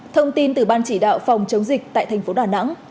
thông tin từ ban chỉ đạo phòng chống dịch tại thành phố đà nẵng